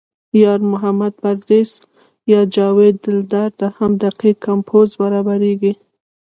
یار محمد پردیس یا جاوید دلدار ته هم دقیق کمپوز برابرېږي.